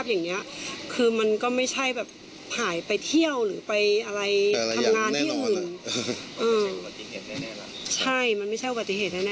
ใช่มันไม่ใช่ปฏิเหตุแน่